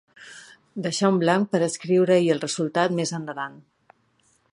Deixar un blanc per a escriure-hi el resultat més endavant.